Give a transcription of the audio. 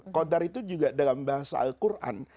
qadar itu juga dalam bahasa al quran